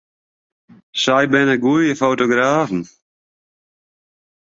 Sy binne goede fotografen.